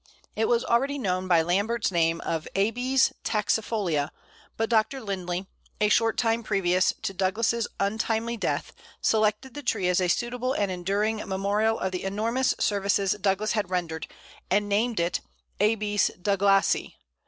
It was already known by Lambert's name of Abies taxifolia, but Dr. Lindley, a short time previous to Douglas' untimely death, selected the tree as a suitable and enduring memorial of the enormous services Douglas had rendered, and named it Abies douglasii.